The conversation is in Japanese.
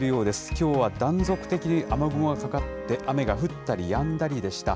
きょうは断続的に雨雲がかかって、雨が降ったりやんだりでした。